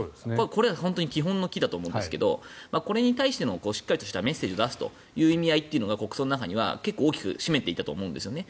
これは本当に基本の「き」だと思うんですがこれに対してのしっかりとしたメッセージを出す意味合いというのが国葬の中には結構大きく占めていたと思うんですね。